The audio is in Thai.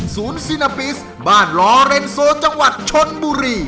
ซีนาปิสบ้านลอเรนโซจังหวัดชนบุรี